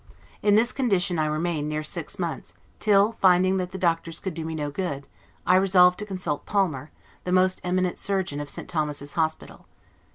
In this condition I remained near six months, till finding that the doctors could do me no good, I resolved to consult Palmer, the most eminent surgeon of St. Thomas's Hospital.